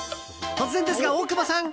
突然ですが、大久保さん！